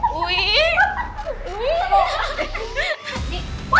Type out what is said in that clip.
ไหน